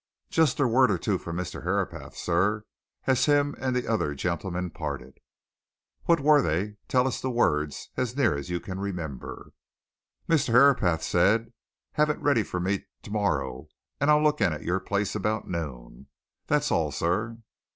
"Just a word or two from Mr. Herapath, sir, as him and the other gentleman parted." "What were they? tell us the words, as near as you can remember." "Mr. Herapath said, 'Have it ready for me tomorrow, and I'll look in at your place about noon.' That's all, sir."